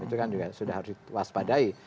itu kan juga sudah harus diwaspadai